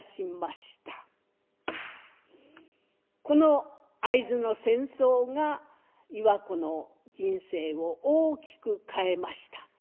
この会津の戦争が岩子の人生を大きく変えました。